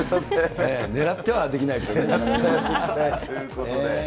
ねらってはできないですよね。ということで。